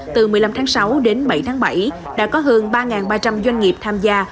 từ một mươi năm tháng sáu đến bảy tháng bảy đã có hơn ba ba trăm linh doanh nghiệp tham gia